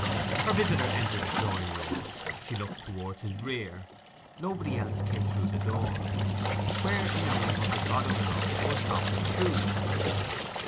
Her visitor entered the drawing room. She looked towards his rear; nobody else came through the door. Where, in the name of the God of Love, was Robert Trewe?